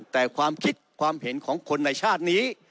แต่ความคิดความเห็นของคนในชาตินี้